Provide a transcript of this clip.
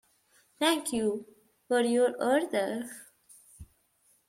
Thank you for your order!.